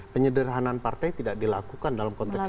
penyederhanan partai tidak dilakukan dalam konteks ini